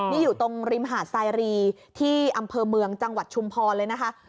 นี่อยู่ตรงริมหาดไซรีที่อำเภอเมืองจังหวัดชุมพรเลยนะคะ